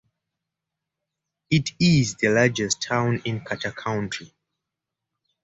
It is the largest town in Carter County.